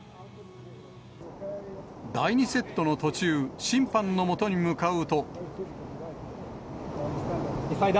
第２セットの途中、審判のもとに向かうと。